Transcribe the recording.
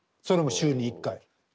それも週に１回。